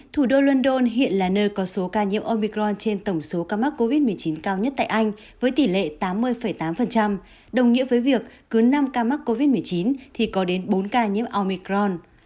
thủ đô london hiện là nơi có số ca nhiễm omicron trên tổng số ca mắc covid một mươi chín cao nhất tại anh với tỷ lệ tám mươi tám đồng nghĩa với việc cứ năm ca mắc covid một mươi chín thì có đến bốn ca nhiễm omicron